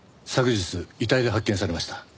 昨日遺体で発見されました。